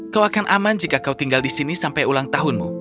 kau akan aman jika kau tinggal di sini sampai ulang tahunmu